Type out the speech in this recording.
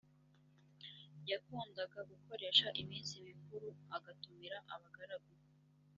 yakundaga gukoresha iminsi mikuru agatumira abagaragu